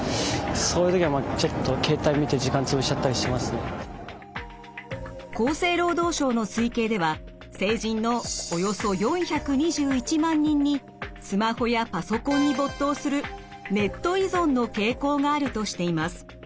そういう時はちょっと厚生労働省の推計では成人のおよそ４２１万人にスマホやパソコンに没頭するネット依存の傾向があるとしています。